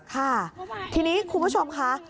ค่ะทีนี้คุณผู้ชมค่ะ